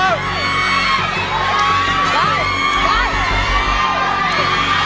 ได้